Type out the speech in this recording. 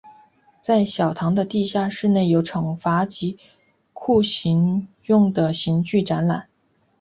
在小堂的地下室内有惩罚及酷刑用的刑具展览。